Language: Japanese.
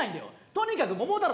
とにかく「桃太郎」